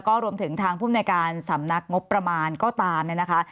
ก็ตามนะค่ะ